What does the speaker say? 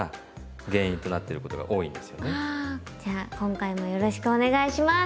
じゃあ今回もよろしくお願いします。